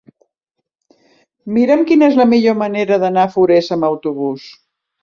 Mira'm quina és la millor manera d'anar a Forès amb autobús.